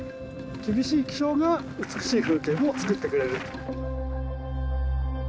厳しい気象が美しい風景をつくってくれる。